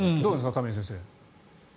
亀井先生。